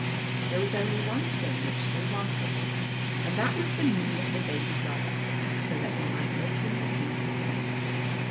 There was only one thing which they wanted, and that was the new little Baby Brother, so that they might make him the king of the feast.